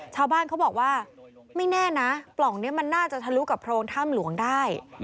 ชาวบ้านเขาบอกว่าไม่แน่นะปล่องนี้มันน่าจะทะลุกับโพรงถ้ำหลวงได้